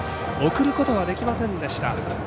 送ることはできませんでした。